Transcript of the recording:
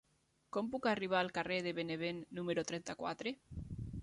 Com puc arribar al carrer de Benevent número trenta-quatre?